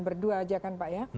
berdua aja kan pak ya